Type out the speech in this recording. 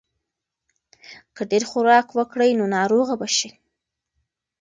که ډېر خوراک وکړې نو ناروغه به شې.